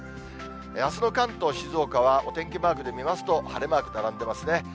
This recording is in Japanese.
あすの関東、静岡はお天気マークで見ますと、晴れマーク並んでますね。